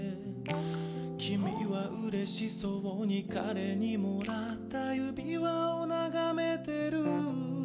君はうれしそうに彼にもらった指輪を眺めてる